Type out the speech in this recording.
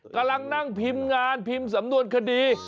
กำลังนั่งพิมพ์งานพิมพ์สำนวนคดี